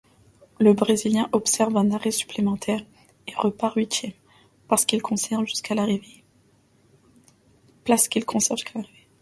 Le Brésilien observe un arrêt supplémentaire et repart huitième, place qu'il conserve jusqu'à l'arrivée.